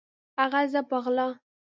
هغه زه په غلا